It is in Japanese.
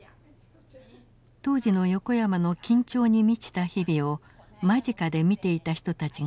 当時の横山の緊張に満ちた日々を間近で見ていた人たちがいます。